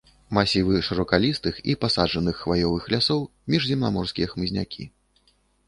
Масівы шыракалістых і пасаджаных хваёвых лясоў, міжземнаморскія хмызнякі.